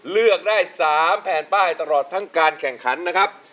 เลือกได้๓แผ่นป้ายตลอดทั้งการแข่งขันนะครับ